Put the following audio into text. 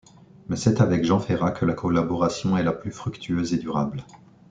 Mais c’est avec Jean Ferrat que la collaboration est la plus fructueuse et durable.